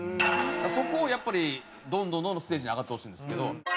そこをやっぱりどんどんどんどんステージに上がってほしいんですけど。